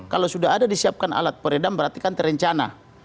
kalau sudah ada disiapkan alat peredam berarti kan terencana